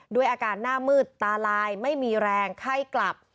ด้วยอาการหน้ามืดตาลายไม่มีแรงไข้กลับ